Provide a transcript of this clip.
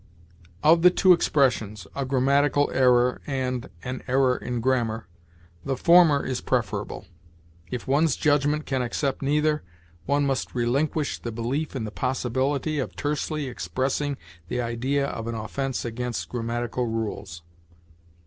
"Of the two expressions a grammatical error, and an error in grammar the former is preferable. If one's judgment can accept neither, one must relinquish the belief in the possibility of tersely expressing the idea of an offense against grammatical rules.